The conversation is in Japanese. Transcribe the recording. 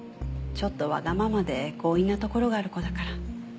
ちょっとわがままで強引なところがある子だから。